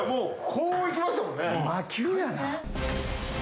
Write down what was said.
こう行きましたもんね。